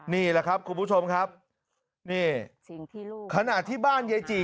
นี่แหละครับคุณผู้ชมครับนี่ขณะที่บ้านยัยจี